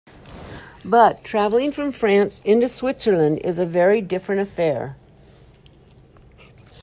But travelling from France into Switzerland is a very different affair.